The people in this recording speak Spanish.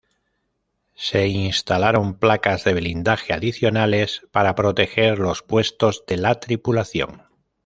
Se instalaron placas de blindaje adicionales para proteger los puestos de la tripulación.